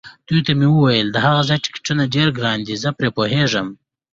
دوی ته مې وویل: د هغه ځای ټکټونه ډېر ګران دي، زه پرې پوهېږم.